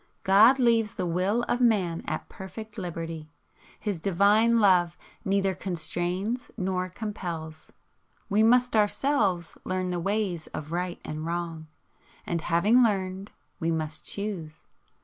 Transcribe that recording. God leaves the WILL of man at perfect liberty. His Divine Love neither constrains nor compels. We must Ourselves learn the ways of Right and Wrong, and having learned, we must choose.